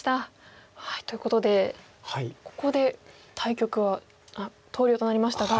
ということでここで対局はあっ投了となりましたが。